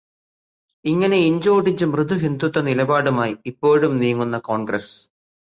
ഇങ്ങനെ ഇഞ്ചോടിഞ്ച് മൃദുഹിന്ദുത്വനിലപാടുമായി ഇപ്പോഴും നീങ്ങുന്ന കോണ്ഗ്രസ്സ്